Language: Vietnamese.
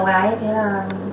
với lại em vợ chồng em thôi